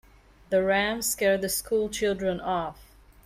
The ram scared the school children off.